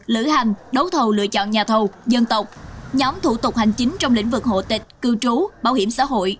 lữ hành đấu thầu lựa chọn nhà thầu dân tộc nhóm thủ tục hành chính trong lĩnh vực hộ tịch cư trú bảo hiểm xã hội